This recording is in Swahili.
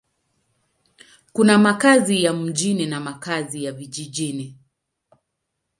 Kuna makazi ya mjini na makazi ya vijijini.